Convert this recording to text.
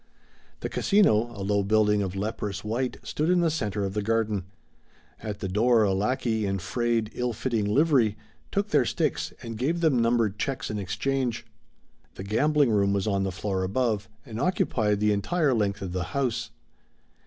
The Casino, a low building of leprous white, stood in the centre of the garden. At the door, a lackey, in frayed, ill fitting livery, took their sticks and gave them numbered checks in exchange. The gambling room was on the floor above, and occupied the entire length of the house.